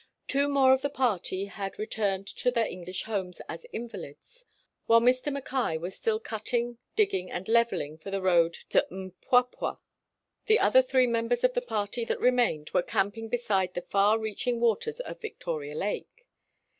Two more of the party had re turned to their English homes as invalids. While Mr. Maekay was still cutting, digging, and leveling for the road to Mpwapwa, the other three members of the party that re mained were camping beside the far reach ing waters of Victoria Lake.